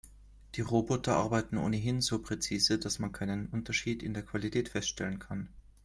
Die Roboter arbeiten ohnehin so präzise, dass man keinen Unterschied in der Qualität feststellen kann.